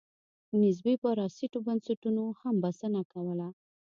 نسبي پرانېستو بنسټونو هم بسنه کوله.